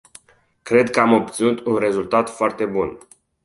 Cred că am obținut un rezultat foarte bun.